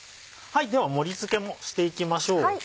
では盛り付けもしていきましょう。